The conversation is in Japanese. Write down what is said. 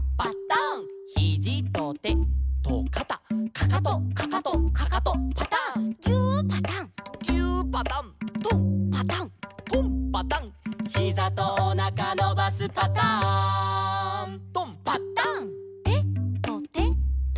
「かかとかかとかかとパタン」「ぎゅーパタン」「ぎゅーパタン」「とんパタン」「とんパタン」「ひざとおなかのばすパターン」「とん」「パタン」「てとてと」